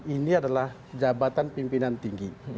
ini adalah jabatan pimpinan tinggi